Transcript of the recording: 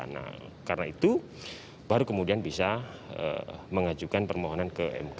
nah karena itu baru kemudian bisa mengajukan permohonan ke mk